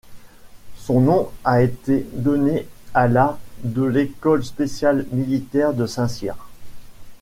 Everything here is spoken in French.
Son nom a été donné à la de l'école spéciale militaire de Saint-Cyr.